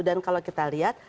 dan kalau kita lihat